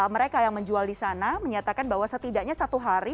mereka yang menjual di sana menyatakan bahwa setidaknya satu hari